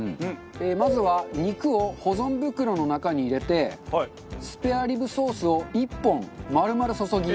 まずは肉を保存袋の中に入れてスペアリブソースを１本丸々注ぎ。